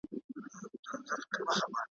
له هیڅ پلوه د مقایسې وړ نه دي ,